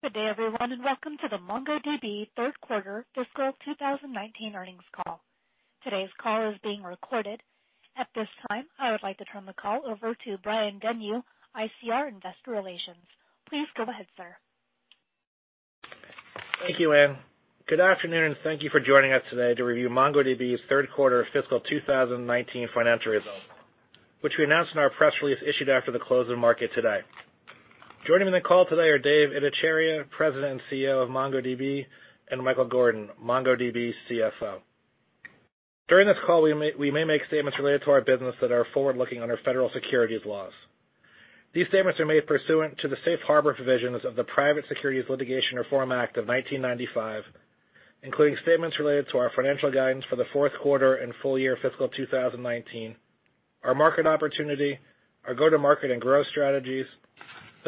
Good day everyone, welcome to the MongoDB third quarter fiscal 2019 earnings call. Today's call is being recorded. At this time, I would like to turn the call over to Brian Bedell, ICR Investor Relations. Please go ahead, sir. Thank you, Anne. Good afternoon, thank you for joining us today to review MongoDB's third quarter fiscal 2019 financial results, which we announced in our press release issued after the close of the market today. Joining me in the call today are Dev Ittycheria, President and CEO of MongoDB, and Michael Gordon, MongoDB CFO. During this call, we may make statements related to our business that are forward-looking under federal securities laws. These statements are made pursuant to the safe harbor provisions of the Private Securities Litigation Reform Act of 1995, including statements related to our financial guidance for the fourth quarter and full year fiscal 2019, our market opportunity, our go-to-market and growth strategies,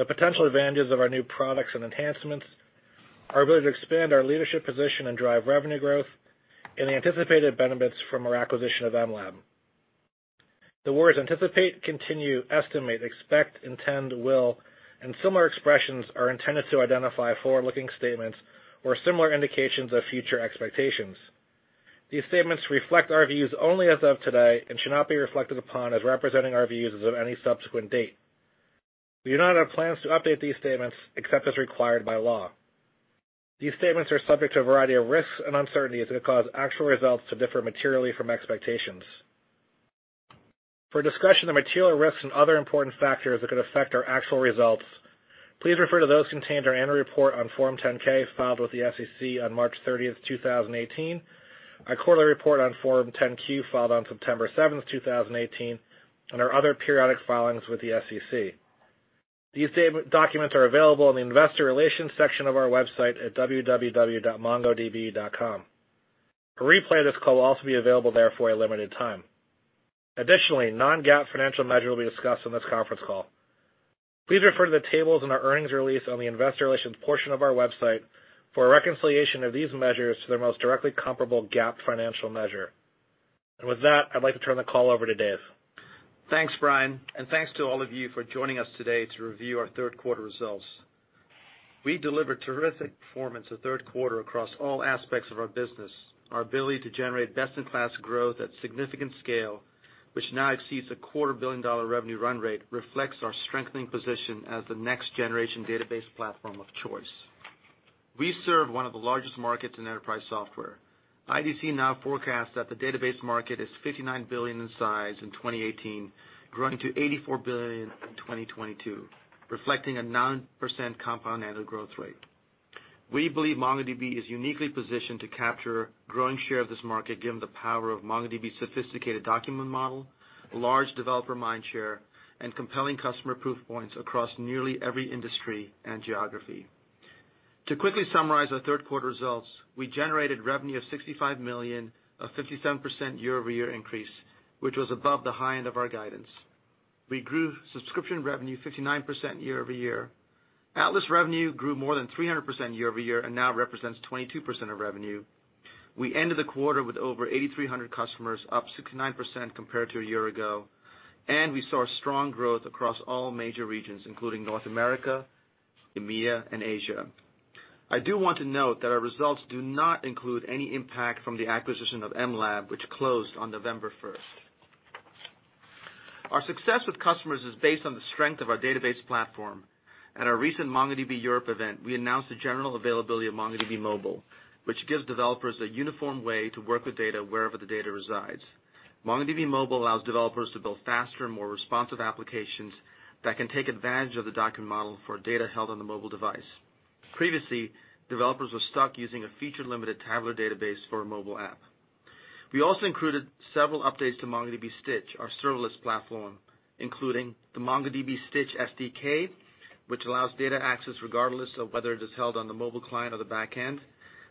the potential advantages of our new products and enhancements, our ability to expand our leadership position and drive revenue growth, and the anticipated benefits from our acquisition of mLab. The words anticipate, continue, estimate, expect, intend, will, similar expressions are intended to identify forward-looking statements or similar indications of future expectations. These statements reflect our views only as of today and should not be reflected upon as representing our views as of any subsequent date. We do not have plans to update these statements except as required by law. These statements are subject to a variety of risks and uncertainties that could cause actual results to differ materially from expectations. For a discussion of material risks and other important factors that could affect our actual results, please refer to those contained in our annual report on Form 10-K filed with the SEC on March 30th, 2018, our quarterly report on Form 10-Q filed on September 7th, 2018, our other periodic filings with the SEC. These documents are available in the investor relations section of our website at www.mongodb.com. A replay of this call will also be available there for a limited time. Additionally, non-GAAP financial measures will be discussed on this conference call. Please refer to the tables in our earnings release on the investor relations portion of our website for a reconciliation of these measures to their most directly comparable GAAP financial measure. With that, I'd like to turn the call over to Dev. Thanks, Brian. Thanks to all of you for joining us today to review our third quarter results. We delivered terrific performance this third quarter across all aspects of our business. Our ability to generate best-in-class growth at significant scale, which now exceeds a quarter billion-dollar revenue run rate, reflects our strengthening position as the next-generation database platform of choice. We serve one of the largest markets in enterprise software. IDC now forecasts that the database market is $59 billion in size in 2018, growing to $84 billion in 2022, reflecting a 9% compound annual growth rate. We believe MongoDB is uniquely positioned to capture a growing share of this market, given the power of MongoDB's sophisticated document model, large developer mindshare, and compelling customer proof points across nearly every industry and geography. To quickly summarize our third quarter results, we generated revenue of $65 million, a 57% year-over-year increase, which was above the high end of our guidance. We grew subscription revenue 59% year over year. Atlas revenue grew more than 300% year over year and now represents 22% of revenue. We ended the quarter with over 8,300 customers, up 69% compared to a year ago. We saw strong growth across all major regions, including North America, EMEA, and Asia. I do want to note that our results do not include any impact from the acquisition of mLab, which closed on November first. Our success with customers is based on the strength of our database platform. At our recent MongoDB Europe event, we announced the general availability of MongoDB Mobile, which gives developers a uniform way to work with data wherever the data resides. MongoDB Mobile allows developers to build faster and more responsive applications that can take advantage of the document model for data held on the mobile device. Previously, developers were stuck using a feature-limited SQLite database for a mobile app. We also included several updates to MongoDB Stitch, our serverless platform, including the MongoDB Stitch SDK, which allows data access regardless of whether it is held on the mobile client or the back end.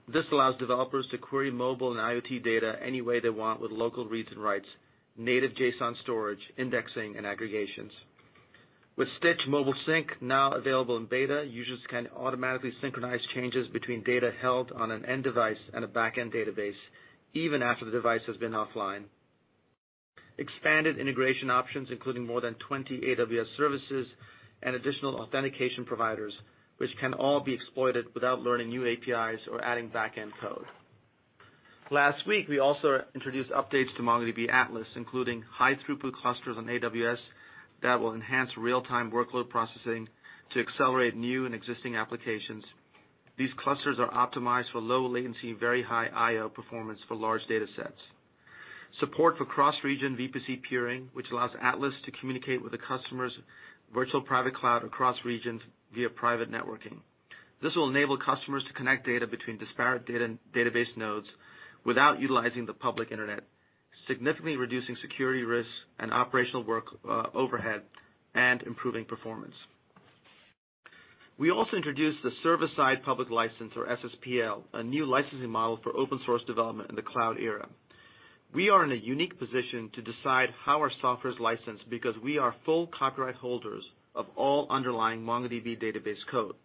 This allows developers to query mobile and IoT data any way they want with local reads and writes, native JSON storage, indexing, and aggregations. With Stitch Mobile Sync now available in beta, users can automatically synchronize changes between data held on an end device and a back-end database even after the device has been offline. Expanded integration options including more than 20 AWS services and additional authentication providers, which can all be exploited without learning new APIs or adding back-end code. Last week, we also introduced updates to MongoDB Atlas, including high-throughput clusters on AWS that will enhance real-time workload processing to accelerate new and existing applications. These clusters are optimized for low latency and very high I/O performance for large data sets. Support for cross-region VPC peering, which allows Atlas to communicate with the customer's virtual private cloud across regions via private networking. This will enable customers to connect data between disparate database nodes without utilizing the public internet, significantly reducing security risks and operational work overhead, and improving performance. We also introduced the Server Side Public License, or SSPL, a new licensing model for open-source development in the cloud era. We are in a unique position to decide how our software is licensed because we are full copyright holders of all underlying MongoDB database code.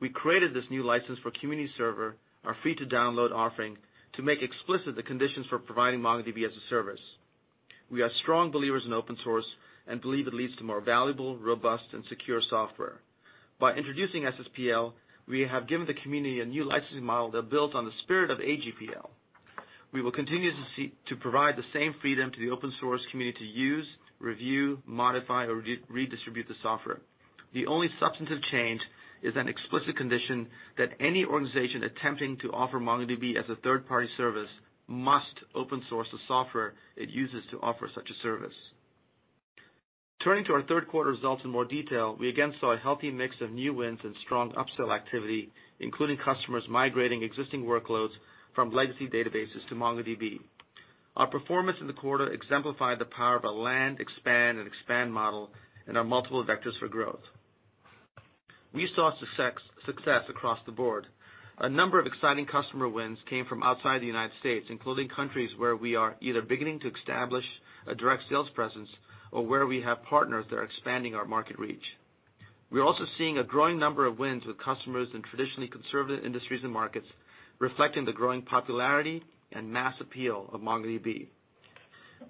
We created this new license for Community Server, our free-to-download offering, to make explicit the conditions for providing MongoDB as a service. We are strong believers in open-source and believe it leads to more valuable, robust, and secure software. By introducing SSPL, we have given the community a new licensing model that builds on the spirit of AGPL. We will continue to provide the same freedom to the open-source community to use, review, modify, or redistribute the software. The only substantive change is an explicit condition that any organization attempting to offer MongoDB as a third-party service must open source the software it uses to offer such a service. Turning to our 3rd quarter results in more detail, we again saw a healthy mix of new wins and strong upsell activity, including customers migrating existing workloads from legacy databases to MongoDB. Our performance in the quarter exemplified the power of a land, expand, and expand model and our multiple vectors for growth. We saw success across the board. A number of exciting customer wins came from outside the U.S., including countries where we are either beginning to establish a direct sales presence or where we have partners that are expanding our market reach. We're also seeing a growing number of wins with customers in traditionally conservative industries and markets, reflecting the growing popularity and mass appeal of MongoDB.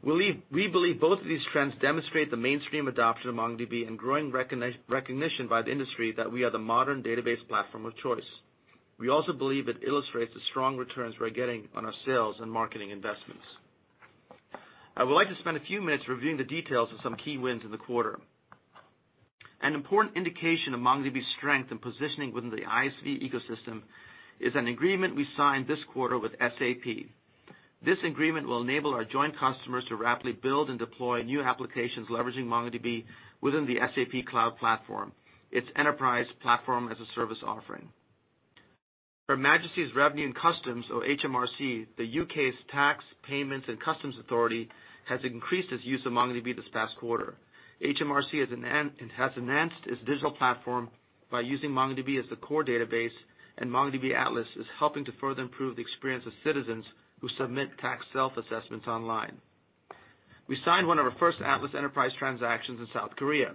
We believe both of these trends demonstrate the mainstream adoption of MongoDB and growing recognition by the industry that we are the modern database platform of choice. We also believe it illustrates the strong returns we're getting on our sales and marketing investments. I would like to spend a few minutes reviewing the details of some key wins in the quarter. An important indication of MongoDB's strength and positioning within the ISV ecosystem is an agreement we signed this quarter with SAP. This agreement will enable our joint customers to rapidly build and deploy new applications leveraging MongoDB within the SAP Cloud Platform, its enterprise platform-as-a-service offering. Her Majesty's Revenue and Customs, or HMRC, the U.K.'s tax, payments, and customs authority, has increased its use of MongoDB this past quarter. HMRC has enhanced its digital platform by using MongoDB as the core database, and MongoDB Atlas is helping to further improve the experience of citizens who submit tax self-assessments online. We signed one of our first Atlas enterprise transactions in South Korea.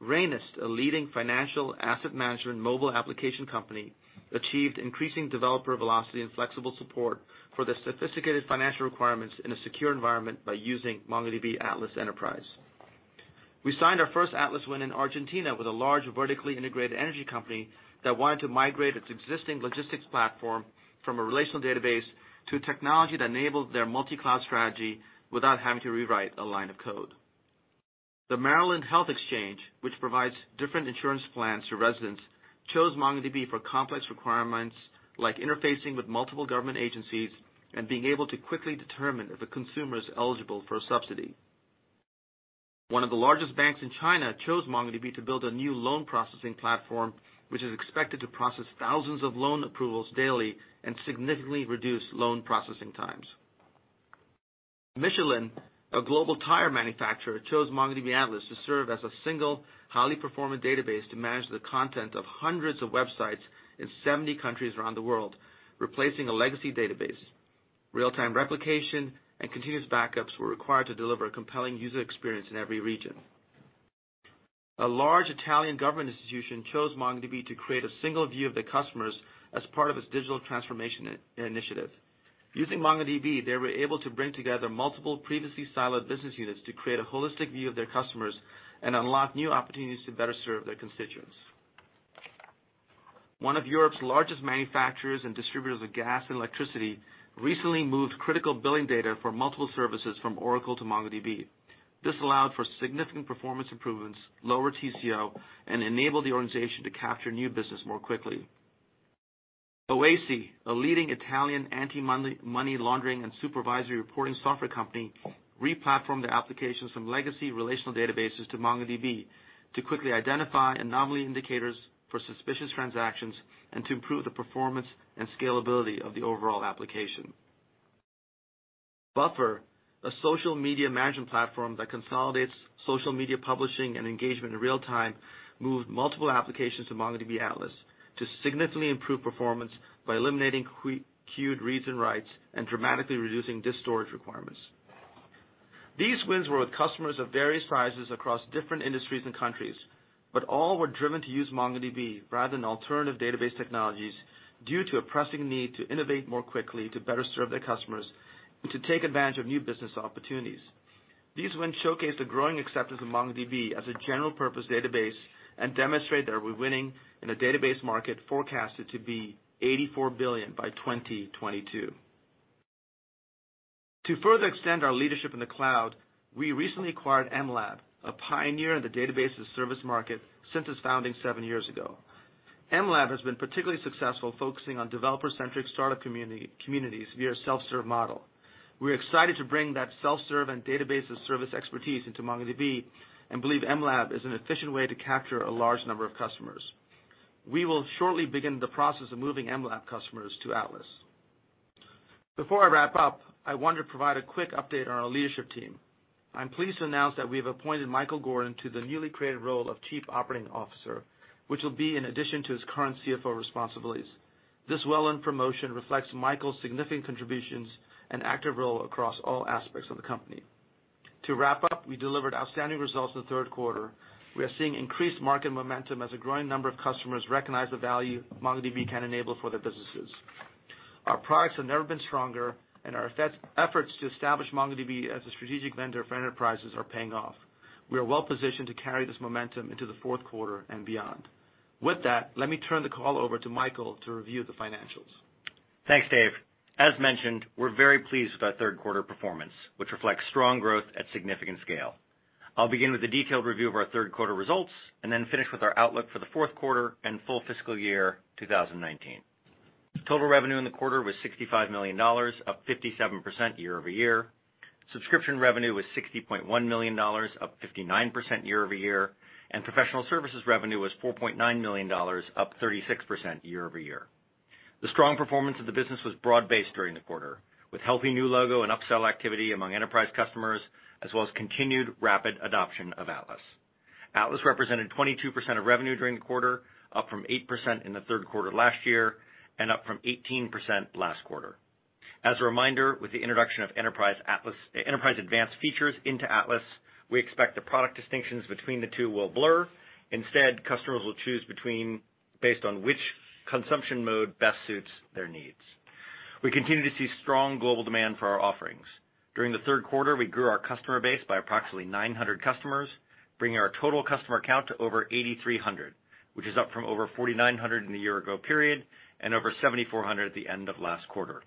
Rainist, a leading financial asset management mobile application company, achieved increasing developer velocity and flexible support for the sophisticated financial requirements in a secure environment by using MongoDB Atlas Enterprise. We signed our first Atlas win in Argentina with a large vertically integrated energy company that wanted to migrate its existing logistics platform from a relational database to technology that enabled their multi-cloud strategy without having to rewrite a line of code. The Maryland Health Benefit Exchange, which provides different insurance plans to residents, chose MongoDB for complex requirements like interfacing with multiple government agencies and being able to quickly determine if a consumer is eligible for a subsidy. One of the largest banks in China chose MongoDB to build a new loan processing platform, which is expected to process thousands of loan approvals daily and significantly reduce loan processing times. Michelin, a global tire manufacturer, chose MongoDB Atlas to serve as a single, highly performant database to manage the content of hundreds of websites in 70 countries around the world, replacing a legacy database. Real-time replication and continuous backups were required to deliver a compelling user experience in every region. A large Italian government institution chose MongoDB to create a single view of their customers as part of its digital transformation initiative. Using MongoDB, they were able to bring together multiple previously siloed business units to create a holistic view of their customers and unlock new opportunities to better serve their constituents. One of Europe's largest manufacturers and distributors of gas and electricity recently moved critical billing data for multiple services from Oracle to MongoDB. This allowed for significant performance improvements, lower TCO, and enabled the organization to capture new business more quickly. OASI, a leading Italian anti-money laundering and supervisory reporting software company, re-platformed their applications from legacy relational databases to MongoDB to quickly identify anomaly indicators for suspicious transactions and to improve the performance and scalability of the overall application. Buffer, a social media management platform that consolidates social media publishing and engagement in real time, moved multiple applications to MongoDB Atlas to significantly improve performance by eliminating queued reads and writes and dramatically reducing disk storage requirements. These wins were with customers of various sizes across different industries and countries, but all were driven to use MongoDB rather than alternative database technologies due to a pressing need to innovate more quickly to better serve their customers and to take advantage of new business opportunities. These wins showcase the growing acceptance of MongoDB as a general purpose database and demonstrate that we're winning in a database market forecasted to be $84 billion by 2022. To further extend our leadership in the cloud, we recently acquired mLab, a pioneer in the database as a service market since its founding seven years ago. mLab has been particularly successful focusing on developer-centric startup communities via a self-serve model. We're excited to bring that self-serve and database as service expertise into MongoDB and believe mLab is an efficient way to capture a large number of customers. We will shortly begin the process of moving mLab customers to Atlas. Before I wrap up, I want to provide a quick update on our leadership team. I'm pleased to announce that we have appointed Michael Gordon to the newly created role of Chief Operating Officer, which will be in addition to his current CFO responsibilities. This well-earned promotion reflects Michael's significant contributions and active role across all aspects of the company. To wrap up, we delivered outstanding results in the third quarter. We are seeing increased market momentum as a growing number of customers recognize the value MongoDB can enable for their businesses. Our products have never been stronger, and our efforts to establish MongoDB as a strategic vendor for enterprises are paying off. We are well-positioned to carry this momentum into the fourth quarter and beyond. With that, let me turn the call over to Michael to review the financials. Thanks, Dev. As mentioned, we're very pleased with our third quarter performance, which reflects strong growth at significant scale. I'll begin with a detailed review of our third quarter results and then finish with our outlook for the fourth quarter and full fiscal year 2019. Total revenue in the quarter was $65 million, up 57% year-over-year. Subscription revenue was $60.1 million, up 59% year-over-year, and professional services revenue was $4.9 million, up 36% year-over-year. The strong performance of the business was broad-based during the quarter, with healthy new logo and upsell activity among enterprise customers, as well as continued rapid adoption of MongoDB Atlas. MongoDB Atlas represented 22% of revenue during the quarter, up from 8% in the third quarter last year and up from 18% last quarter. As a reminder, with the introduction of MongoDB Enterprise Advanced features into MongoDB Atlas, we expect the product distinctions between the two will blur. Instead, customers will choose based on which consumption mode best suits their needs. We continue to see strong global demand for our offerings. During the third quarter, we grew our customer base by approximately 900 customers, bringing our total customer count to over 8,300, which is up from over 4,900 in the year-ago period and over 7,400 at the end of last quarter.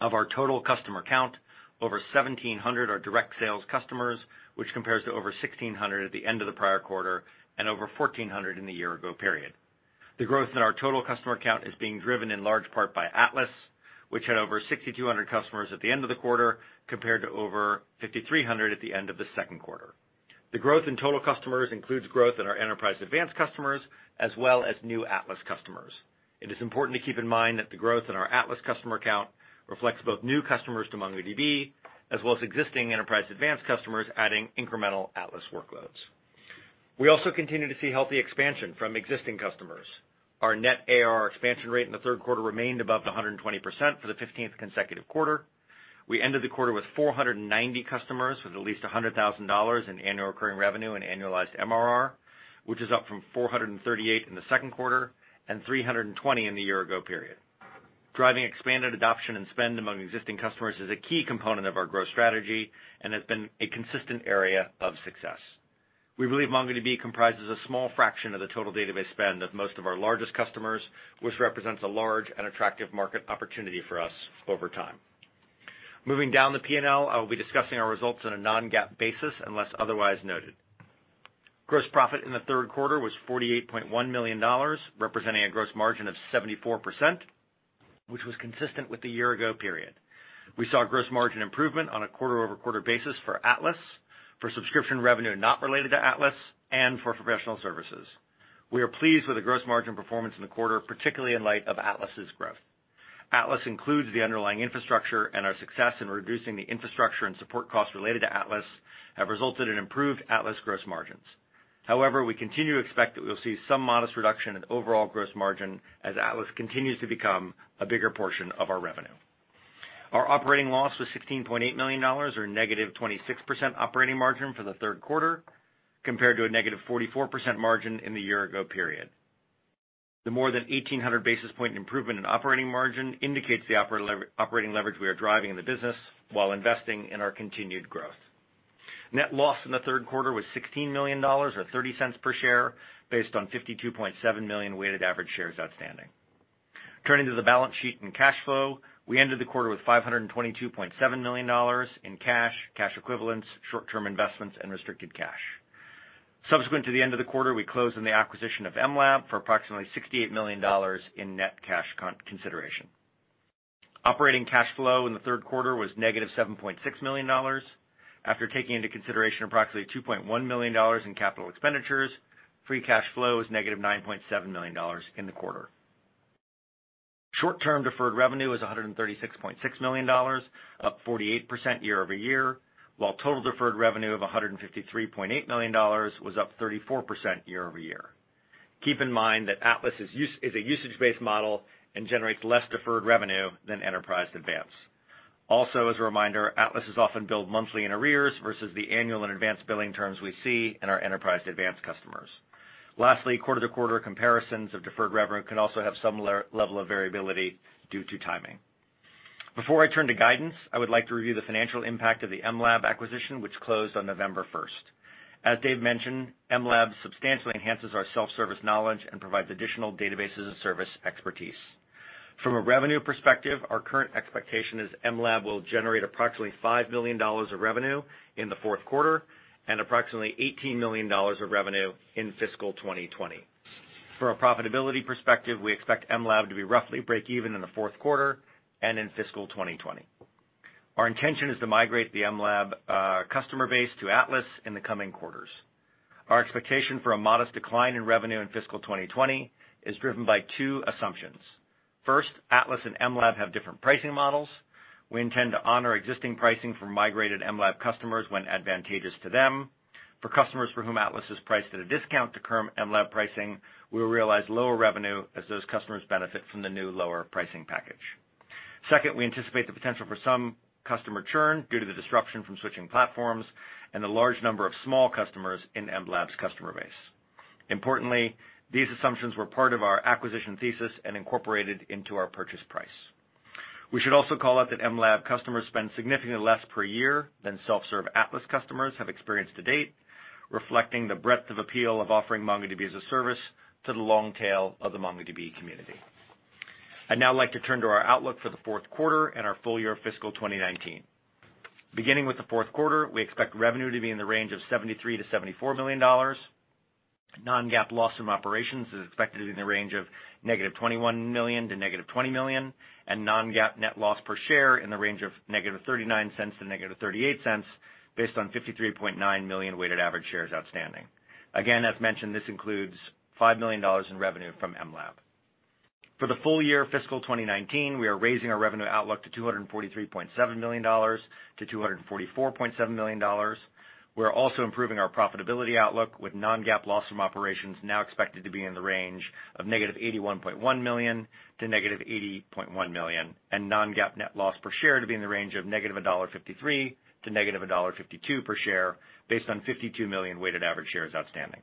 Of our total customer count, over 1,700 are direct sales customers, which compares to over 1,600 at the end of the prior quarter and over 1,400 in the year-ago period. The growth in our total customer count is being driven in large part by MongoDB Atlas, which had over 6,200 customers at the end of the quarter, compared to over 5,300 at the end of the second quarter. The growth in total customers includes growth in our MongoDB Enterprise Advanced customers as well as new MongoDB Atlas customers. It is important to keep in mind that the growth in our MongoDB Atlas customer count reflects both new customers to MongoDB as well as existing MongoDB Enterprise Advanced customers adding incremental MongoDB Atlas workloads. We also continue to see healthy expansion from existing customers. Our net ARR expansion rate in the third quarter remained above the 120% for the 15th consecutive quarter. We ended the quarter with 490 customers with at least $100,000 in annual recurring revenue and annualized MRR, which is up from 438 in the second quarter and 320 in the year-ago period. Driving expanded adoption and spend among existing customers is a key component of our growth strategy and has been a consistent area of success. We believe MongoDB comprises a small fraction of the total database spend of most of our largest customers, which represents a large and attractive market opportunity for us over time. Moving down the P&L, I will be discussing our results on a non-GAAP basis unless otherwise noted. Gross profit in the third quarter was $48.1 million, representing a gross margin of 74%, which was consistent with the year-ago period. We saw gross margin improvement on a quarter-over-quarter basis for Atlas, for subscription revenue not related to Atlas, and for professional services. We are pleased with the gross margin performance in the quarter, particularly in light of Atlas's growth. Atlas includes the underlying infrastructure and our success in reducing the infrastructure and support costs related to Atlas have resulted in improved Atlas gross margins. However, we continue to expect that we'll see some modest reduction in overall gross margin as Atlas continues to become a bigger portion of our revenue. Our operating loss was $16.8 million, or negative 26% operating margin for the third quarter, compared to a negative 44% margin in the year-ago period. The more than 1,800 basis point improvement in operating margin indicates the operating leverage we are driving in the business while investing in our continued growth. Net loss in the third quarter was $16 million, or $0.30 per share, based on 52.7 million weighted average shares outstanding. Turning to the balance sheet and cash flow, we ended the quarter with $522.7 million in cash equivalents, short-term investments and restricted cash. Subsequent to the end of the quarter, we closed on the acquisition of mLab for approximately $68 million in net cash consideration. Operating cash flow in the third quarter was negative $7.6 million. After taking into consideration approximately $2.1 million in capital expenditures, free cash flow is negative $9.7 million in the quarter. Short-term deferred revenue is $136.6 million, up 48% year-over-year, while total deferred revenue of $153.8 million was up 34% year-over-year. Keep in mind that Atlas is a usage-based model and generates less deferred revenue than Enterprise Advanced. As a reminder, Atlas is often billed monthly in arrears versus the annual and advanced billing terms we see in our Enterprise Advanced customers. Lastly, quarter-to-quarter comparisons of deferred revenue can also have similar level of variability due to timing. Before I turn to guidance, I would like to review the financial impact of the mLab acquisition, which closed on November 1st. As Dev mentioned, mLab substantially enhances our self-service knowledge and provides additional databases and service expertise. From a revenue perspective, our current expectation is mLab will generate approximately $5 million of revenue in the fourth quarter and approximately $18 million of revenue in fiscal 2020. From a profitability perspective, we expect mLab to be roughly break-even in the fourth quarter and in fiscal 2020. Our intention is to migrate the mLab customer base to Atlas in the coming quarters. Our expectation for a modest decline in revenue in fiscal 2020 is driven by two assumptions. First, Atlas and mLab have different pricing models. We intend to honor existing pricing for migrated mLab customers when advantageous to them. For customers for whom Atlas is priced at a discount to current mLab pricing, we will realize lower revenue as those customers benefit from the new lower pricing package. Second, we anticipate the potential for some customer churn due to the disruption from switching platforms and the large number of small customers in mLab's customer base. Importantly, these assumptions were part of our acquisition thesis and incorporated into our purchase price. We should also call out that mLab customers spend significantly less per year than self-serve Atlas customers have experienced to date, reflecting the breadth of appeal of offering MongoDB as a service to the long tail of the MongoDB community. I'd now like to turn to our outlook for the fourth quarter and our full year fiscal 2019. Beginning with the fourth quarter, we expect revenue to be in the range of $73 million to $74 million. Non-GAAP loss from operations is expected to be in the range of -$21 million to -$20 million, and non-GAAP net loss per share in the range of -$0.39 to -$0.38, based on 53.9 million weighted average shares outstanding. Again, as mentioned, this includes $5 million in revenue from mLab. For the full year fiscal 2019, we are raising our revenue outlook to $243.7 million-$244.7 million. We're also improving our profitability outlook with non-GAAP loss from operations now expected to be in the range of -$81.1 million to -$80.1 million, and non-GAAP net loss per share to be in the range of -$1.53 to -$1.52 per share based on 52 million weighted average shares outstanding.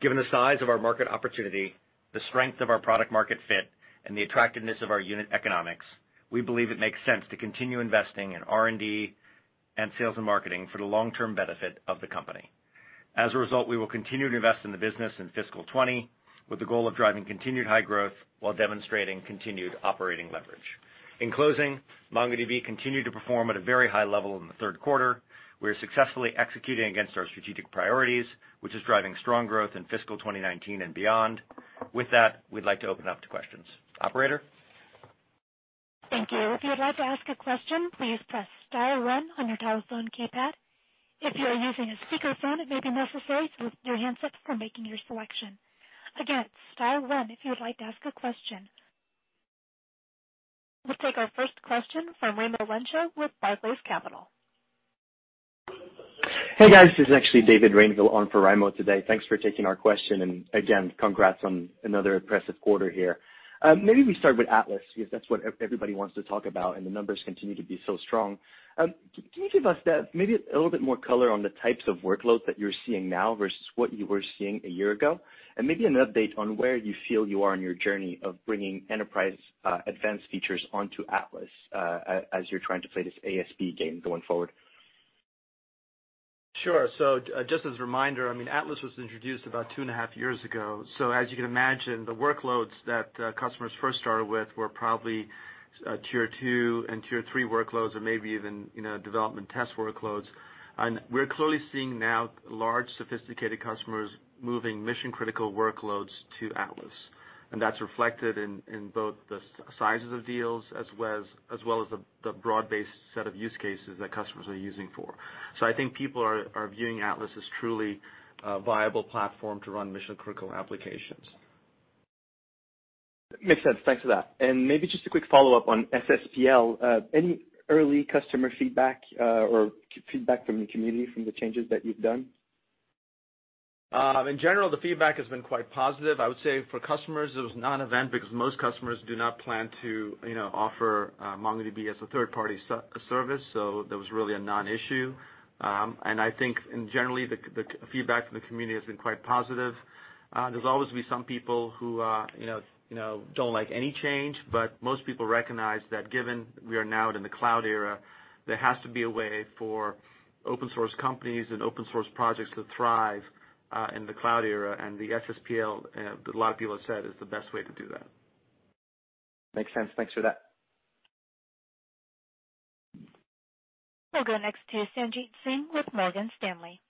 Given the size of our market opportunity, the strength of our product market fit, and the attractiveness of our unit economics, we believe it makes sense to continue investing in R&D and sales and marketing for the long-term benefit of the company. As a result, we will continue to invest in the business in fiscal 2020, with the goal of driving continued high growth while demonstrating continued operating leverage. In closing, MongoDB continued to perform at a very high level in the third quarter. We are successfully executing against our strategic priorities, which is driving strong growth in fiscal 2019 and beyond. With that, we'd like to open up to questions. Operator? Thank you. If you would like to ask a question, please press star one on your telephone keypad. If you are using a speakerphone, it may be necessary to lift your handset before making your selection. Again, star one if you would like to ask a question. We'll take our first question from Raimo Lenschau with Barclays Capital. Hey, guys. This is actually David Rainville on for Raimo today. Thanks for taking our question. Again, congrats on another impressive quarter here. Maybe we start with Atlas, because that's what everybody wants to talk about, and the numbers continue to be so strong. Can you give us maybe a little bit more color on the types of workloads that you're seeing now versus what you were seeing a year ago? Maybe an update on where you feel you are on your journey of bringing Enterprise Advanced features onto Atlas, as you're trying to play this ASP game going forward. Sure. Just as a reminder, Atlas was introduced about two and a half years ago. As you can imagine, the workloads that customers first started with were probably tier 2 and tier 3 workloads or maybe even development test workloads. We're clearly seeing now large, sophisticated customers moving mission-critical workloads to Atlas. That's reflected in both the sizes of deals as well as the broad-based set of use cases that customers are using for. I think people are viewing Atlas as a truly viable platform to run mission-critical applications. Makes sense. Thanks for that. Maybe just a quick follow-up on SSPL. Any early customer feedback or feedback from the community from the changes that you've done? In general, the feedback has been quite positive. I would say for customers, it was a non-event because most customers do not plan to offer MongoDB as a third-party service. That was really a non-issue. I think generally, the feedback from the community has been quite positive. There'll always be some people who don't like any change, but most people recognize that given we are now in the cloud era, there has to be a way for open source companies and open source projects to thrive in the cloud era. The SSPL, a lot of people have said, is the best way to do that. Makes sense. Thanks for that. We'll go next to Sanjit Singh with Morgan Stanley.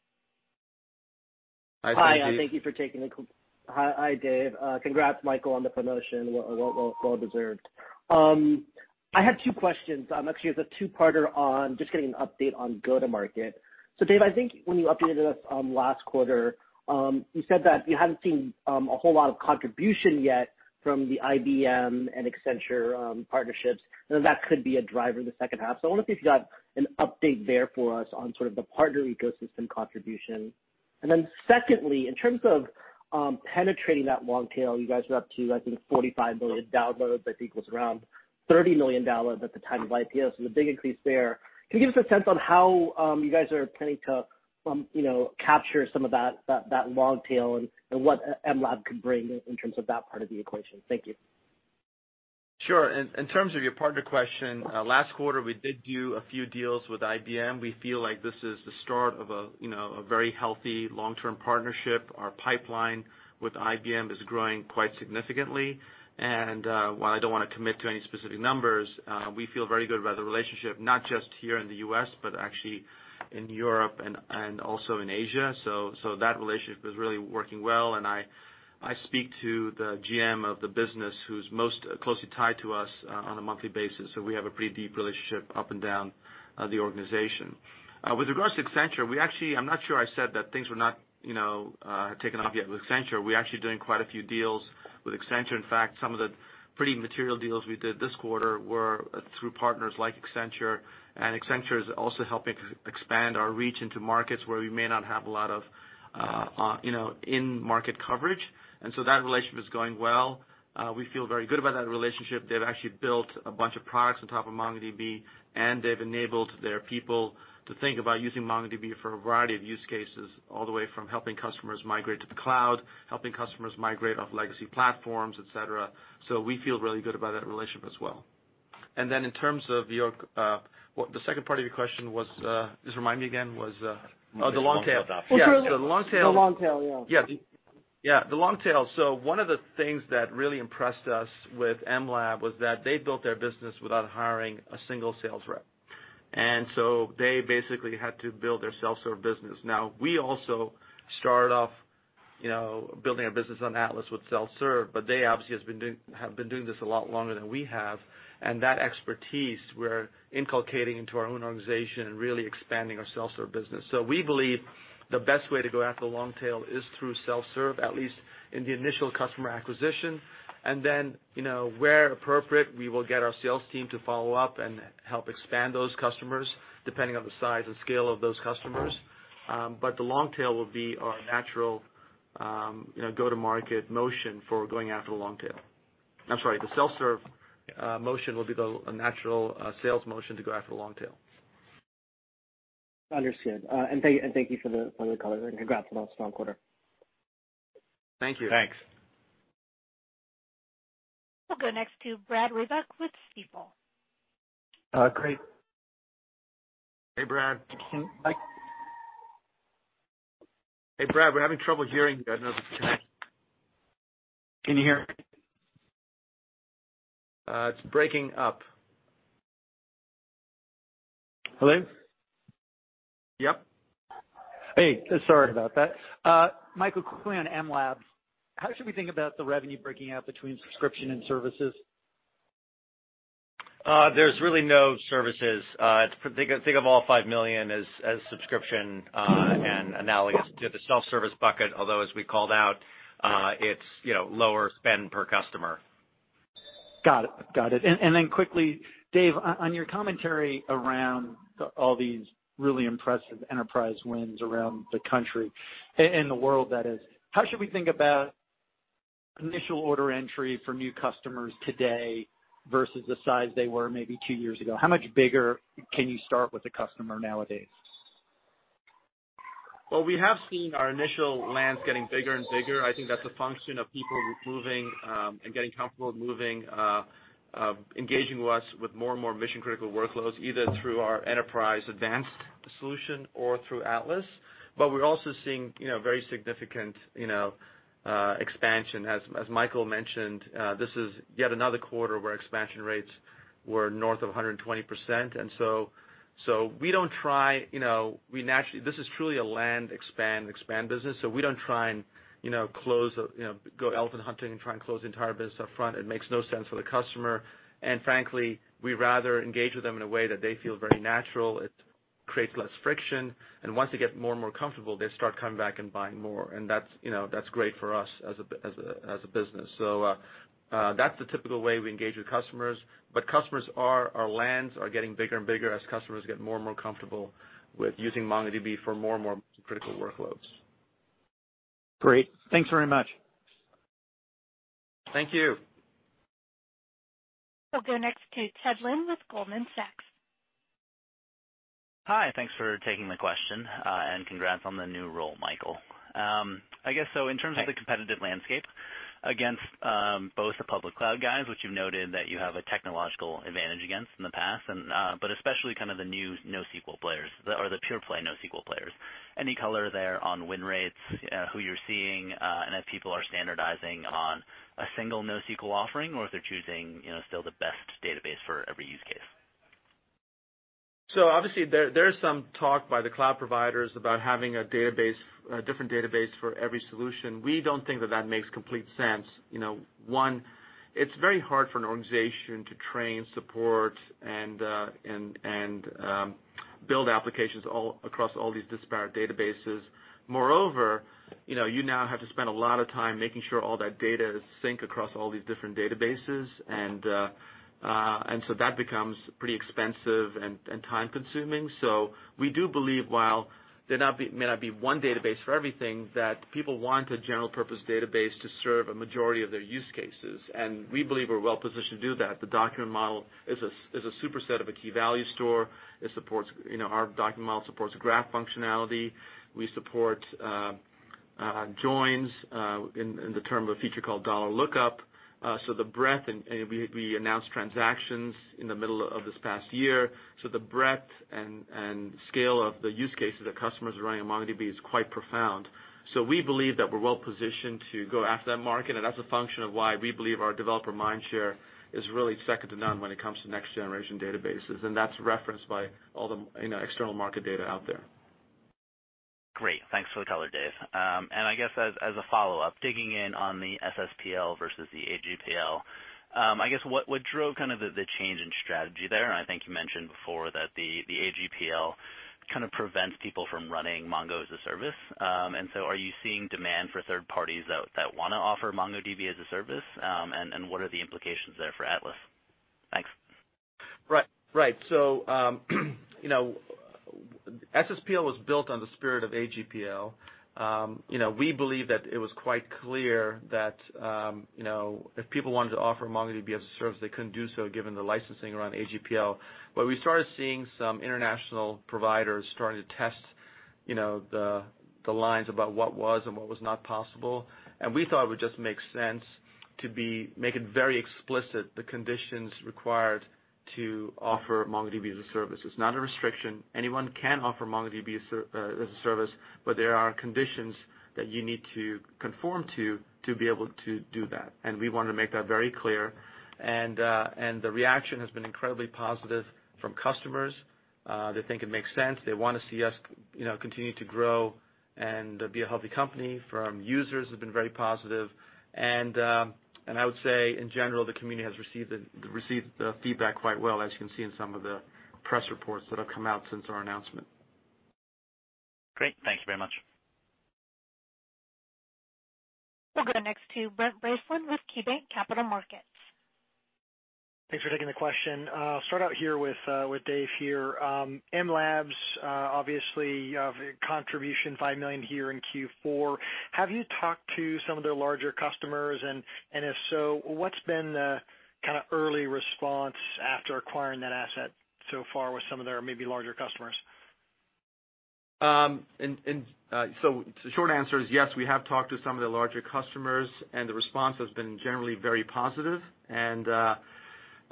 Hi, Sanjit. Hi. Thank you for taking the call. Hi, Dave. Congrats, Michael, on the promotion. Well deserved. I had two questions. Actually, it's a two-parter on just getting an update on go-to-market. Dave, I think when you updated us last quarter, you said that you haven't seen a whole lot of contribution yet from the IBM and Accenture partnerships, and that could be a driver in the second half. I wanted to see if you got an update there for us on sort of the partner ecosystem contribution. Secondly, in terms of penetrating that long tail, you guys are up to, I think, 45 million downloads. I think it was around 30 million downloads at the time of IPO, a big increase there. Can you give us a sense on how you guys are planning to capture some of that long tail and what mLab can bring in terms of that part of the equation? Thank you. Sure. In terms of your partner question, last quarter, we did do a few deals with IBM. We feel like this is the start of a very healthy long-term partnership. Our pipeline with IBM is growing quite significantly. While I don't want to commit to any specific numbers, we feel very good about the relationship, not just here in the U.S., but actually in Europe and also in Asia. That relationship is really working well, and I speak to the GM of the business who's most closely tied to us on a monthly basis. We have a pretty deep relationship up and down the organization. With regards to Accenture, I'm not sure I said that things were not taking off yet with Accenture. We're actually doing quite a few deals with Accenture. In fact, some of the pretty material deals we did this quarter were through partners like Accenture. Accenture is also helping expand our reach into markets where we may not have a lot of in-market coverage. That relationship is going well. We feel very good about that relationship. They've actually built a bunch of products on top of MongoDB, and they've enabled their people to think about using MongoDB for a variety of use cases, all the way from helping customers migrate to the cloud, helping customers migrate off legacy platforms, et cetera. We feel really good about that relationship as well. In terms of your-- The second part of your question was, just remind me again. The long tail adoption. Oh, the long tail. Well, sure. Yeah. the long tail. The long tail, yeah. Yeah. The long tail. One of the things that really impressed us with mLab was that they built their business without hiring a single sales rep. They basically had to build their self-serve business. Now, we also started off building our business on Atlas with self-serve, they obviously have been doing this a lot longer than we have, and that expertise we're inculcating into our own organization and really expanding our self-serve business. We believe the best way to go after the long tail is through self-serve, at least in the initial customer acquisition. Then, where appropriate, we will get our sales team to follow up and help expand those customers, depending on the size and scale of those customers. The long tail will be our natural go-to-market motion for going after the long tail. I'm sorry. The self-serve motion will be the natural sales motion to go after the long tail. Understood. Thank you for the color and congrats on a strong quarter. Thank you. Thanks. We'll go next to Brad Reback with Stifel. Great. Hey, Brad, we're having trouble hearing you. I don't know if you can- Can you hear me? It's breaking up. Hello? Yep. Hey, sorry about that. Michael, quickly on mLab, how should we think about the revenue breaking out between subscription and services? There's really no services. Think of all $5 million as subscription, and analogous to the self-service bucket. Although, as we called out, it's lower spend per customer. Got it. Quickly, Dev, on your commentary around all these really impressive enterprise wins around the country and the world that is, how should we think about initial order entry for new customers today versus the size they were maybe two years ago? How much bigger can you start with a customer nowadays? Well, we have seen our initial lands getting bigger and bigger. I think that's a function of people moving and getting comfortable engaging with us with more and more mission-critical workloads, either through our Enterprise Advanced solution or through Atlas. We're also seeing very significant expansion. As Michael mentioned, this is yet another quarter where expansion rates were north of 120%. We don't try. This is truly a land expand business. We don't try and go elephant hunting and try and close the entire business up front. It makes no sense for the customer. Frankly, we'd rather engage with them in a way that they feel very natural. It creates less friction. Once they get more and more comfortable, they start coming back and buying more. That's great for us as a business. That's the typical way we engage with customers. Customers are, our lands are getting bigger and bigger as customers get more and more comfortable with using MongoDB for more and more critical workloads. Great. Thanks very much. Thank you. We'll go next to Ted Lin with Goldman Sachs. Hi. Thanks for taking the question. Congrats on the new role, Michael. I guess so in terms- Thanks of the competitive landscape against both the public cloud guys, which you've noted that you have a technological advantage against in the past, but especially kind of the new NoSQL players or the pure play NoSQL players, any color there on win rates, who you're seeing, and if people are standardizing on a single NoSQL offering, or if they're choosing still the best database for every use case? Obviously, there's some talk by the cloud providers about having a different database for every solution. We don't think that that makes complete sense. One, it's very hard for an organization to train, support, and build applications across all these disparate databases. Moreover, you now have to spend a lot of time making sure all that data is sync across all these different databases. That becomes pretty expensive and time-consuming. We do believe while there may not be one database for everything, that people want a general purpose database to serve a majority of their use cases. We believe we're well positioned to do that. The document model is a super set of a key value store. Our document model supports graph functionality. We support joins in the term of a feature called $lookup. The breadth, and we announced transactions in the middle of this past year. The breadth and scale of the use cases that customers are running on MongoDB is quite profound. We believe that we're well positioned to go after that market. That's a function of why we believe our developer mind share is really second to none when it comes to next generation databases. That's referenced by all the external market data out there. Great. Thanks for the color, Dev. I guess as a follow-up, digging in on the SSPL versus the AGPL, I guess what drove kind of the change in strategy there? I think you mentioned before that the AGPL kind of prevents people from running Mongo as a service. Are you seeing demand for third parties that want to offer MongoDB as a service? What are the implications there for Atlas? Thanks. Right. SSPL was built on the spirit of AGPL. We believe that it was quite clear that if people wanted to offer MongoDB as a service, they couldn't do so given the licensing around AGPL. We started seeing some international providers starting to test the lines about what was and what was not possible. We thought it would just make sense to make it very explicit, the conditions required to offer MongoDB as a service. It's not a restriction. Anyone can offer MongoDB as a service, but there are conditions that you need to conform to be able to do that. We want to make that very clear. The reaction has been incredibly positive from customers. They think it makes sense. They want to see us continue to grow and be a healthy company. From users, they've been very positive. I would say, in general, the community has received the feedback quite well, as you can see in some of the press reports that have come out since our announcement. Great. Thank you very much. We'll go next to Brent Bracelin with KeyBanc Capital Markets. Thanks for taking the question. I'll start out here with Dev here. mLab's obviously contribution, $5 million here in Q4. If so, what's been the early response after acquiring that asset so far with some of their maybe larger customers? The short answer is yes, we have talked to some of the larger customers, and the response has been generally very positive.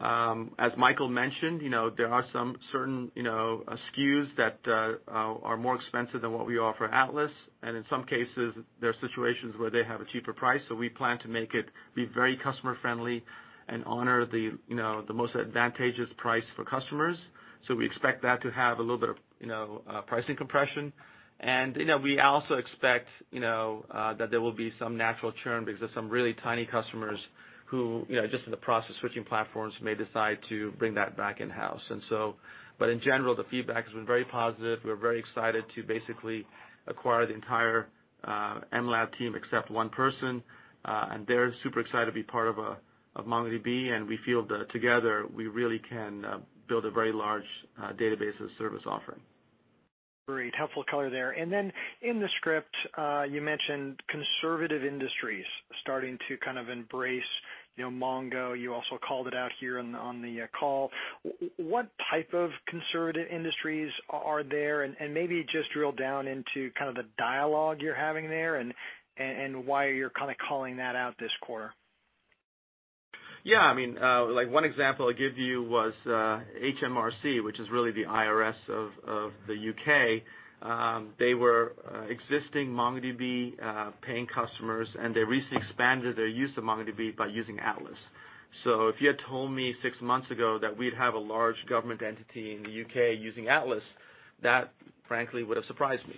As Michael mentioned, there are some certain SKUs that are more expensive than what we offer MongoDB Atlas, and in some cases, there are situations where they have a cheaper price, so we plan to make it be very customer friendly and honor the most advantageous price for customers. We expect that to have a little bit of pricing compression. We also expect that there will be some natural churn because there's some really tiny customers who, just in the process of switching platforms, may decide to bring that back in-house. In general, the feedback has been very positive. We're very excited to basically acquire the entire mLab team, except one person, and they're super excited to be part of MongoDB, and we feel that together, we really can build a very large database as a service offering. Great. Helpful color there. In the script, you mentioned conservative industries starting to kind of embrace Mongo. You also called it out here on the call. What type of conservative industries are there? Maybe just drill down into kind of the dialogue you're having there and why you're kind of calling that out this quarter. Yeah. One example I give you was HMRC, which is really the IRS of the U.K. They were existing MongoDB paying customers, and they recently expanded their use of MongoDB by using Atlas. If you had told me six months ago that we'd have a large government entity in the U.K. using Atlas, that frankly would've surprised me.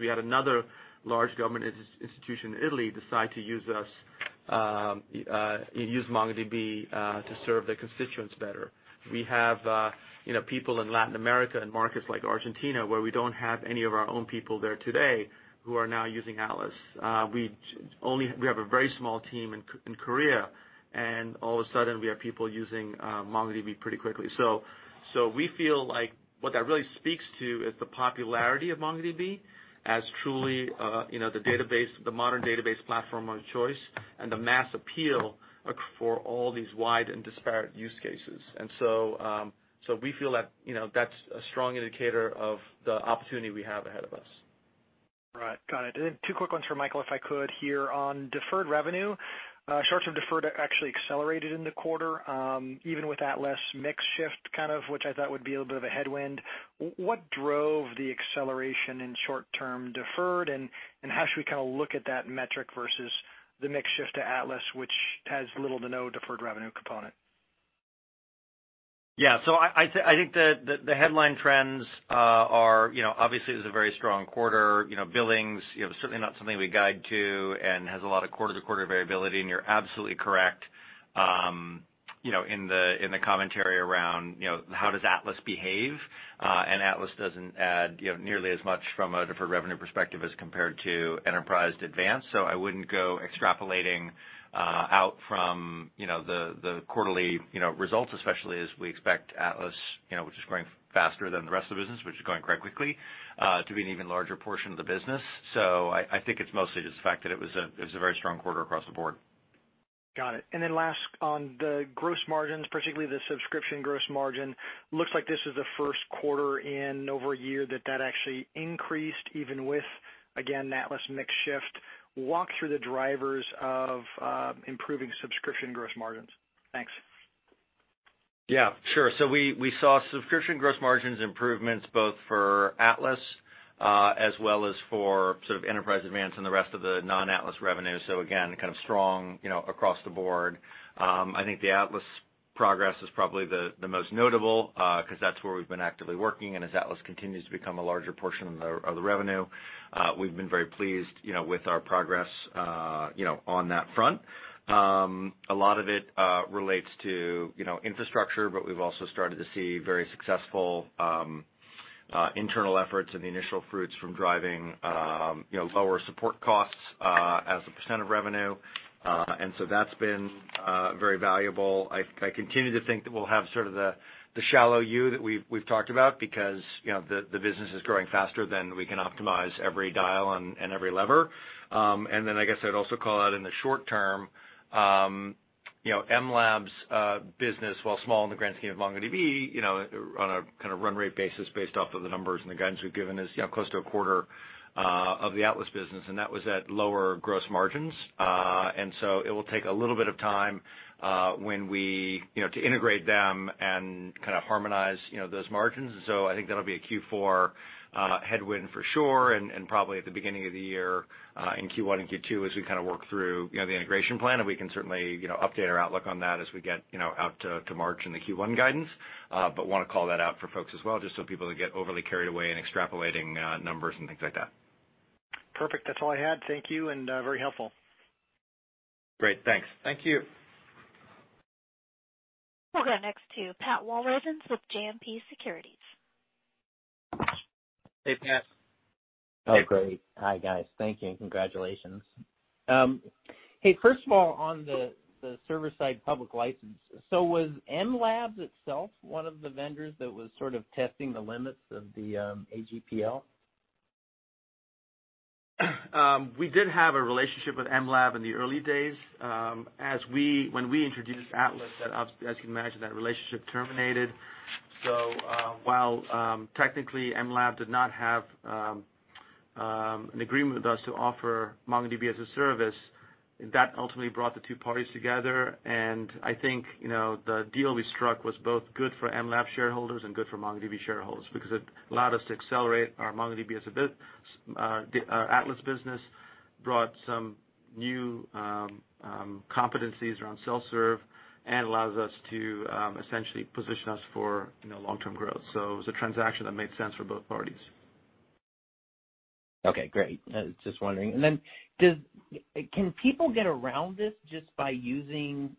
We had another large government institution in Italy decide to use MongoDB to serve their constituents better. We have people in Latin America in markets like Argentina, where we don't have any of our own people there today, who are now using Atlas. We have a very small team in Korea, and all of a sudden we have people using MongoDB pretty quickly. We feel like what that really speaks to is the popularity of MongoDB as truly the modern database platform of choice and the mass appeal for all these wide and disparate use cases. We feel that's a strong indicator of the opportunity we have ahead of us. Right. Got it. Two quick ones for Michael, if I could here. On deferred revenue, short-term deferred actually accelerated in the quarter, even with Atlas mix shift, which I thought would be a little bit of a headwind. What drove the acceleration in short-term deferred, and how should we kind of look at that metric versus the mix shift to Atlas, which has little to no deferred revenue component? Yeah. I think the headline trends are, obviously, it was a very strong quarter. Billings, certainly not something we guide to and has a lot of quarter-to-quarter variability, and you're absolutely correct in the commentary around how does Atlas behave, and Atlas doesn't add nearly as much from a deferred revenue perspective as compared to Enterprise Advanced. I wouldn't go extrapolating out from the quarterly results, especially as we expect Atlas, which is growing faster than the rest of the business, which is growing quite quickly, to be an even larger portion of the business. I think it's mostly just the fact that it was a very strong quarter across the board. Got it. Last on the gross margins, particularly the subscription gross margin. Looks like this is the first quarter in over a year that that actually increased even with, again, that Atlas mix shift. Walk through the drivers of improving subscription gross margins. Thanks. Yeah, sure. We saw subscription gross margins improvements both for Atlas, as well as for sort of Enterprise Advanced and the rest of the non-Atlas revenue. Again, kind of strong across the board. I think the Atlas progress is probably the most notable, because that's where we've been actively working, and as Atlas continues to become a larger portion of the revenue, we've been very pleased with our progress on that front. A lot of it relates to infrastructure, but we've also started to see very successful internal efforts and the initial fruits from driving lower support costs as a percent of revenue. That's been very valuable. I continue to think that we'll have sort of the shallow U that we've talked about because the business is growing faster than we can optimize every dial and every lever. I guess I'd also call out in the short term, mLab's business, while small in the grand scheme of MongoDB, on a kind of run rate basis based off of the numbers and the guidance we've given, is close to a quarter of the Atlas business, and that was at lower gross margins. It will take a little bit of time to integrate them and kind of harmonize those margins. I think that'll be a Q4 headwind for sure, and probably at the beginning of the year in Q1 and Q2, as we kind of work through the integration plan. We can certainly update our outlook on that as we get out to March in the Q1 guidance. Want to call that out for folks as well, just so people don't get overly carried away in extrapolating numbers and things like that. Perfect. That's all I had. Thank you, and very helpful. Great. Thanks. Thank you. We'll go next to Pat Walravens with JMP Securities. Hey, Pat. Hey. Oh, great. Hi, guys. Thank you. Congratulations. Hey, first of all, on the Server Side Public License, was mLab itself one of the vendors that was sort of testing the limits of the AGPL? We did have a relationship with mLab in the early days. When we introduced Atlas, as you can imagine, that relationship terminated. While technically mLab did not have an agreement with us to offer MongoDB as a service, that ultimately brought the two parties together, and I think the deal we struck was both good for mLab shareholders and good for MongoDB shareholders because it allowed us to accelerate our MongoDB our Atlas business, brought some new competencies around self-serve, and allows us to essentially position us for long-term growth. It was a transaction that made sense for both parties. Okay, great. I was just wondering. Can people get around this just by using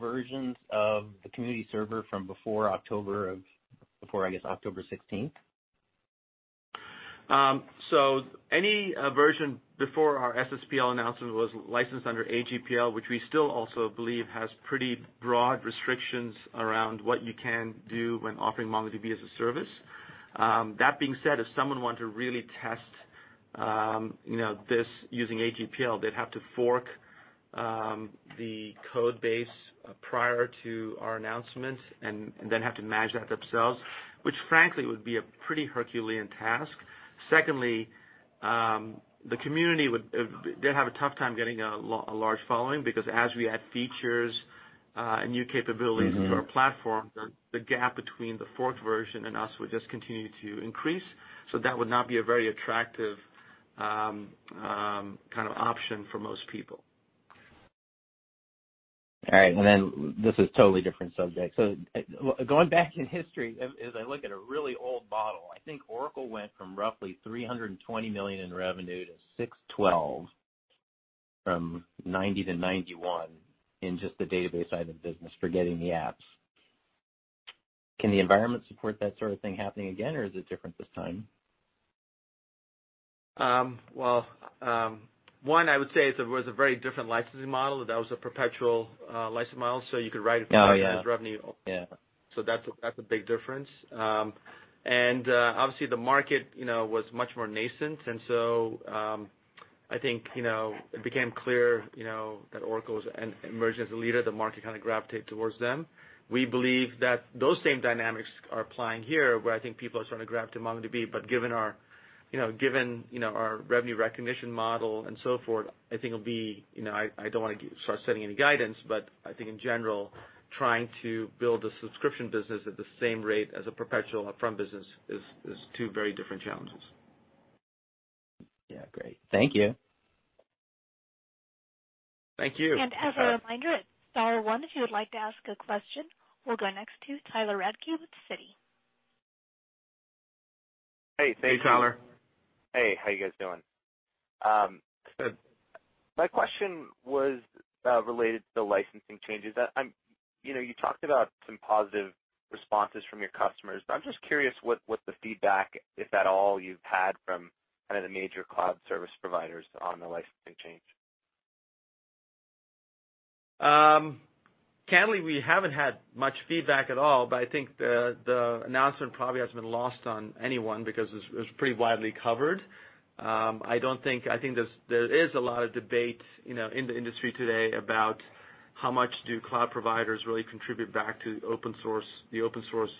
versions of the MongoDB Community Server from before October 16th? Any version before our SSPL announcement was licensed under AGPL, which we still also believe has pretty broad restrictions around what you can do when offering MongoDB as a service. That being said, if someone wanted to really test this using AGPL, they'd have to fork the code base prior to our announcement and then have to manage that themselves, which frankly would be a pretty Herculean task. Secondly, they'd have a tough time getting a large following because as we add features and new capabilities- to our platform, the gap between the forked version and us would just continue to increase. That would not be a very attractive kind of option for most people. All right. This is totally different subject. Going back in history, as I look at a really old model, I think Oracle went from roughly $320 million in revenue to $612 from 1990 to 1991 in just the database side of the business, forgetting the apps. Can the environment support that sort of thing happening again, or is it different this time? Well, one, I would say it was a very different licensing model. That was a perpetual licensing model, so you could. Oh, yeah. forever as revenue. Yeah. That's a big difference. Obviously, the market was much more nascent, and so I think it became clear that Oracle emerged as a leader. The market kind of gravitated towards them. We believe that those same dynamics are applying here, where I think people are starting to gravitate to MongoDB. Given our revenue recognition model and so forth, I don't want to start setting any guidance, but I think in general, trying to build a subscription business at the same rate as a perpetual upfront business is two very different challenges. Yeah, great. Thank you. Thank you. As a reminder, it's star one if you would like to ask a question. We'll go next to Tyler Radke with Citi. Hey, Tyler. Hey, how you guys doing? Good. My question was related to the licensing changes. You talked about some positive responses from your customers, I'm just curious what the feedback, if at all, you've had from kind of the major cloud service providers on the licensing change. Candidly, we haven't had much feedback at all, I think the announcement probably hasn't been lost on anyone because it was pretty widely covered. I think there is a lot of debate in the industry today about how much do cloud providers really contribute back to the open source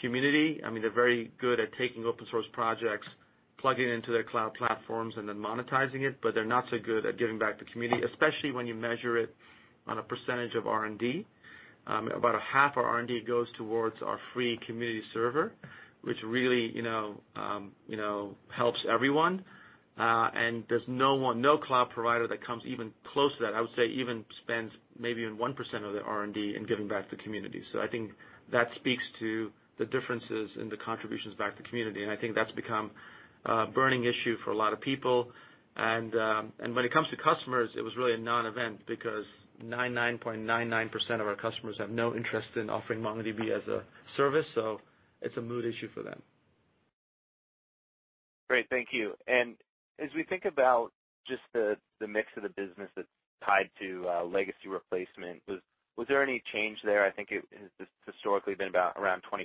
community. They're very good at taking open source projects, plugging into their cloud platforms, and then monetizing it, they're not so good at giving back to community, especially when you measure it on a percentage of R&D. About a half our R&D goes towards our free community server, which really helps everyone. There's no cloud provider that comes even close to that, I would say, even spends maybe even 1% of their R&D in giving back to the community. I think that speaks to the differences in the contributions back to community, I think that's become a burning issue for a lot of people. When it comes to customers, it was really a non-event because 99.99% of our customers have no interest in offering MongoDB as a service, it's a moot issue for them. Great. Thank you. As we think about just the mix of the business that's tied to legacy replacement, was there any change there? I think it has historically been about around 25%.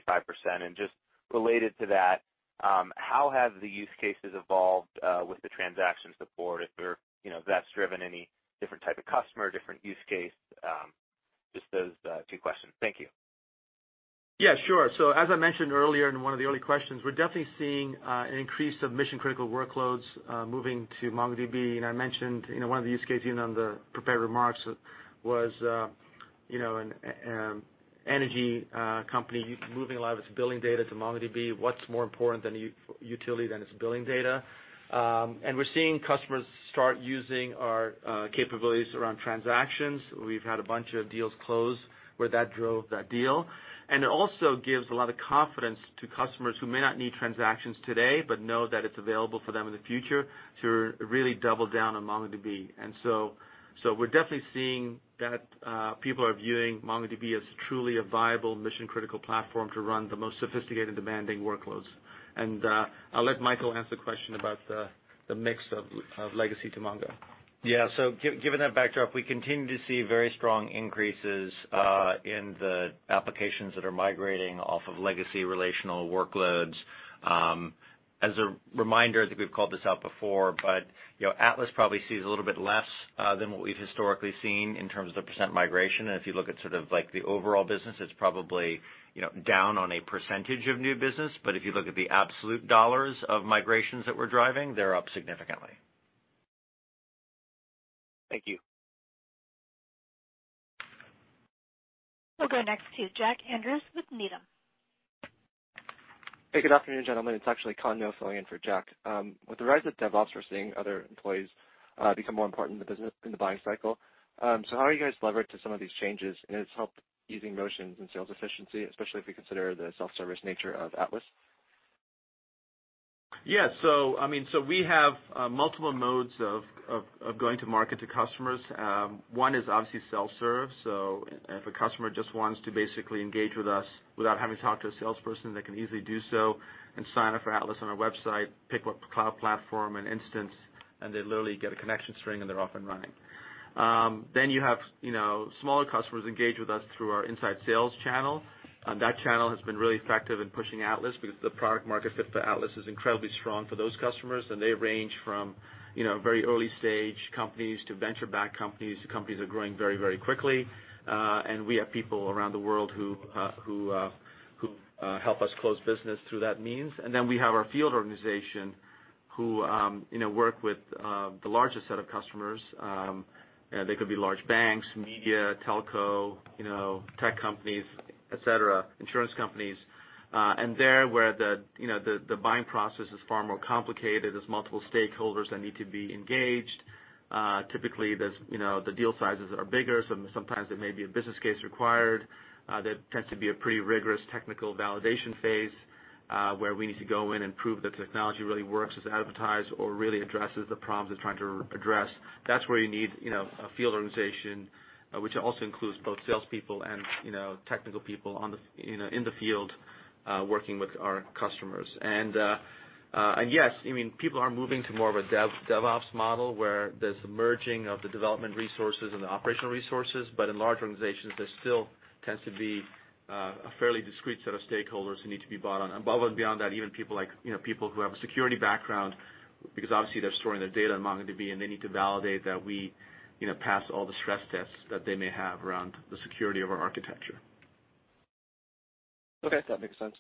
Just related to that, how have the use cases evolved with the transaction support if that's driven any different type of customer, different use case? Just those two questions. Thank you. Yeah, sure. As I mentioned earlier in one of the early questions, we're definitely seeing an increase of mission-critical workloads moving to MongoDB. I mentioned one of the use cases even on the prepared remarks was an energy company moving a lot of its billing data to MongoDB. What's more important than utility than its billing data? We're seeing customers start using our capabilities around transactions. We've had a bunch of deals close where that drove that deal. It also gives a lot of confidence to customers who may not need transactions today, but know that it's available for them in the future to really double down on MongoDB. We're definitely seeing that people are viewing MongoDB as truly a viable mission-critical platform to run the most sophisticated demanding workloads. I'll let Michael answer the question about the mix of legacy to Mongo. Yeah. Given that backdrop, we continue to see very strong increases in the applications that are migrating off of legacy relational workloads. As a reminder, I think we've called this out before, but Atlas probably sees a little bit less than what we've historically seen in terms of % migration. If you look at sort of like the overall business, it's probably down on a percentage of new business. If you look at the absolute dollars of migrations that we're driving, they're up significantly. Thank you. We'll go next to Jack Andrews with Needham. Hey, good afternoon, gentlemen. It's actually Connor filling in for Jack. With the rise of DevOps, we're seeing other employees become more important in the buying cycle. How are you guys levered to some of these changes, and it's helped easing motions and sales efficiency, especially if we consider the self-service nature of Atlas? Yeah. We have multiple modes of going to market to customers. One is obviously self-serve. If a customer just wants to basically engage with us without having to talk to a salesperson, they can easily do so and sign up for Atlas on our website, pick what cloud platform and instance, and they literally get a connection string, and they're off and running. Then you have smaller customers engage with us through our inside sales channel. That channel has been really effective in pushing Atlas because the product market fit for Atlas is incredibly strong for those customers. They range from very early-stage companies to venture-backed companies to companies that are growing very quickly. We have people around the world who help us close business through that means. Then we have our field organization who work with the largest set of customers. They could be large banks, media, telco, tech companies, et cetera, insurance companies. There where the buying process is far more complicated, there's multiple stakeholders that need to be engaged. Typically, the deal sizes are bigger. Sometimes there may be a business case required. There tends to be a pretty rigorous technical validation phase, where we need to go in and prove the technology really works as advertised or really addresses the problems they're trying to address. That's where you need a field organization, which also includes both salespeople and technical people in the field, working with our customers. Yes, people are moving to more of a DevOps model, where there's a merging of the development resources and the operational resources. In large organizations, there still tends to be a fairly discrete set of stakeholders who need to be bought on. Above and beyond that, even people who have a security background, because obviously they're storing their data in MongoDB, and they need to validate that we pass all the stress tests that they may have around the security of our architecture. Okay. That makes sense.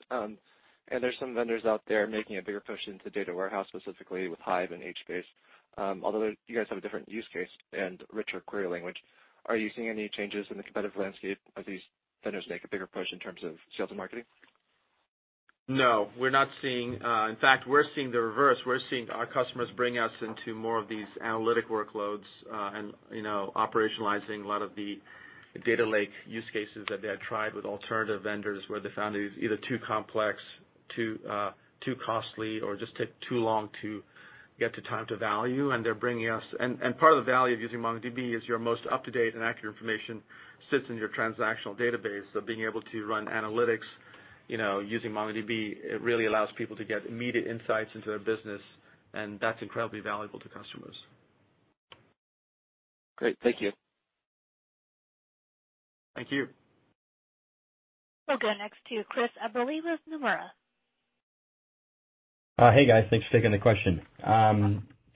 There's some vendors out there making a bigger push into data warehouse, specifically with Hive and HBase. Although you guys have a different use case and richer query language, are you seeing any changes in the competitive landscape as these vendors make a bigger push in terms of sales and marketing? No. In fact, we're seeing the reverse. We're seeing our customers bring us into more of these analytic workloads, and operationalizing a lot of the data lake use cases that they had tried with alternative vendors, where they found it was either too complex, too costly, or just took too long to get to time to value. Part of the value of using MongoDB is your most up-to-date and accurate information sits in your transactional database. Being able to run analytics using MongoDB, it really allows people to get immediate insights into their business, and that's incredibly valuable to customers. Great. Thank you. Thank you. We'll go next to Christopher Marai with Nomura. Hey, guys. Thanks for taking the question. Hey,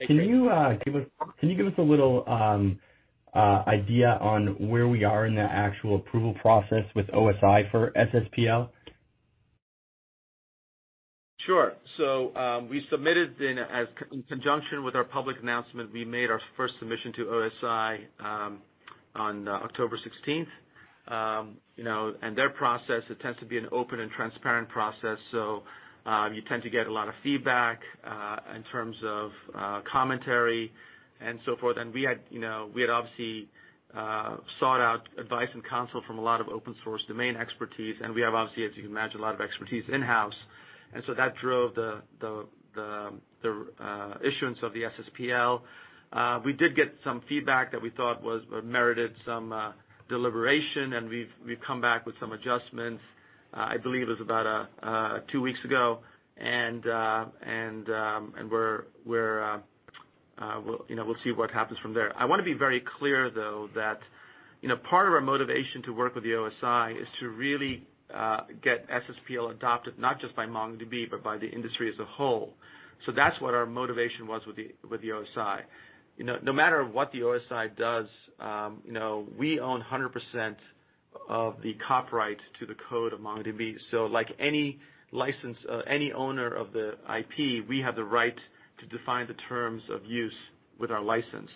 Chris. Can you give us a little idea on where we are in the actual approval process with OSI for SSPL? Sure. We submitted in conjunction with our public announcement. We made our first submission to OSI on October 16th. Their process, it tends to be an open and transparent process, so you tend to get a lot of feedback in terms of commentary and so forth. We had obviously sought out advice and counsel from a lot of open source domain expertise, and we have, obviously, as you can imagine, a lot of expertise in-house. That drove the issuance of the SSPL. We did get some feedback that we thought merited some deliberation, and we've come back with some adjustments. I believe it was about two weeks ago, and we'll see what happens from there. I want to be very clear, though, that part of our motivation to work with the OSI is to really get SSPL adopted, not just by MongoDB, but by the industry as a whole. That's what our motivation was with the OSI. No matter what the OSI does, we own 100% of the copyright to the code of MongoDB. Like any owner of the IP, we have the right to define the terms of use with our license.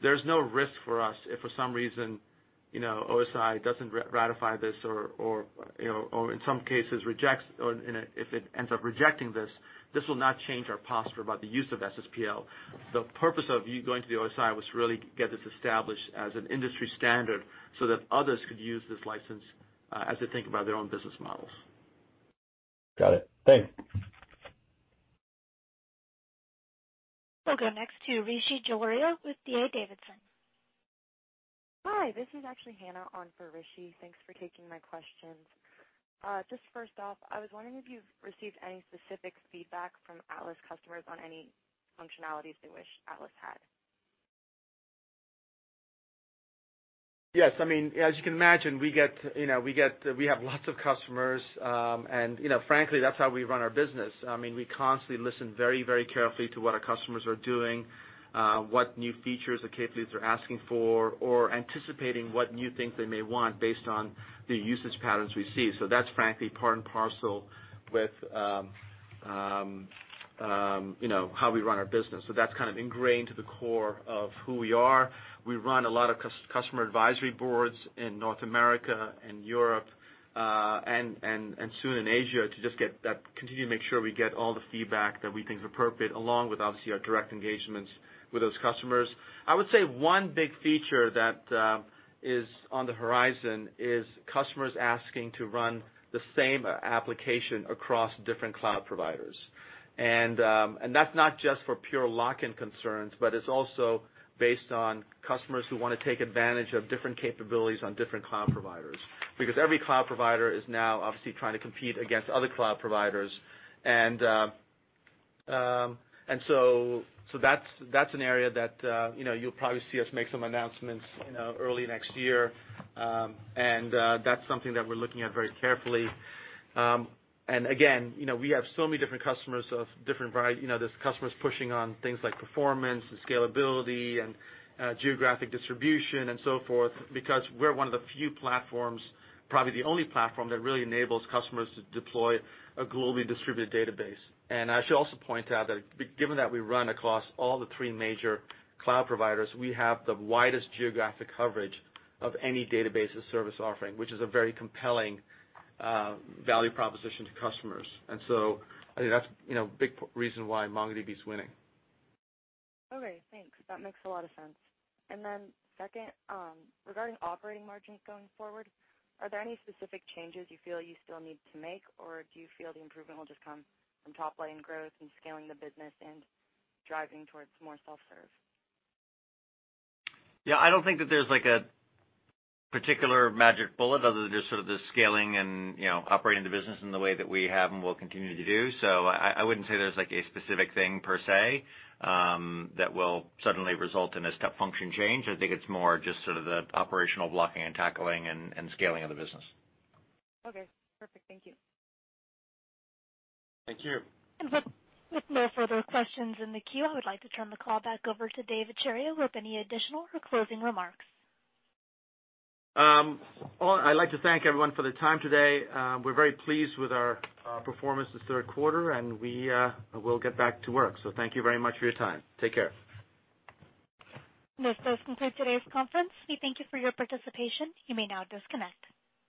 There's no risk for us if, for some reason, OSI doesn't ratify this or, in some cases, if it ends up rejecting this. This will not change our posture about the use of SSPL. The purpose of going to the OSI was really to get this established as an industry standard so that others could use this license as they think about their own business models. Got it. Thanks. We'll go next to Rishi Jaluria with D.A. Davidson. Hi, this is actually Hannah on for Rishi. Thanks for taking my questions. First off, I was wondering if you've received any specific feedback from Atlas customers on any functionalities they wish Atlas had. Yes. As you can imagine, we have lots of customers. Frankly, that's how we run our business. We constantly listen very carefully to what our customers are doing, what new features or capabilities they're asking for, or anticipating what new things they may want based on the usage patterns we see. That's frankly part and parcel with how we run our business. That's kind of ingrained to the core of who we are. We run a lot of customer advisory boards in North America and Europe, and soon in Asia, to just continue to make sure we get all the feedback that we think is appropriate, along with, obviously, our direct engagements with those customers. I would say one big feature that is on the horizon is customers asking to run the same application across different cloud providers. That's not just for pure lock-in concerns, but it's also based on customers who want to take advantage of different capabilities on different cloud providers. Because every cloud provider is now obviously trying to compete against other cloud providers. So that's an area that you'll probably see us make some announcements early next year. That's something that we're looking at very carefully. Again, we have so many different customers of different varieties. There's customers pushing on things like performance and scalability and geographic distribution and so forth, because we're one of the few platforms, probably the only platform, that really enables customers to deploy a globally distributed database. I should also point out that given that we run across all the three major cloud providers, we have the widest geographic coverage of any database as service offering, which is a very compelling value proposition to customers. I think that's a big reason why MongoDB is winning. Okay, thanks. That makes a lot of sense. Second, regarding operating margins going forward, are there any specific changes you feel you still need to make, or do you feel the improvement will just come from top-line growth and scaling the business and driving towards more self-serve? Yeah, I don't think that there's a particular magic bullet other than just sort of the scaling and operating the business in the way that we have and will continue to do. I wouldn't say there's a specific thing per se that will suddenly result in a step function change. I think it's more just sort of the operational blocking and tackling and scaling of the business. Okay, perfect. Thank you. Thank you. With no further questions in the queue, I would like to turn the call back over to Dev Ittycheria with any additional or closing remarks. I'd like to thank everyone for the time today. We're very pleased with our performance this third quarter, and we will get back to work. Thank you very much for your time. Take care. This does conclude today's conference. We thank you for your participation. You may now disconnect.